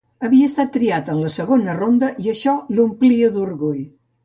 Havia estat triat en segona ronda i això l'omplia d'orgull.